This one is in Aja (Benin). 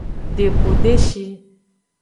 Deku deshi.